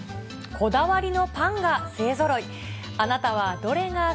こだわりのパンが勢ぞろい。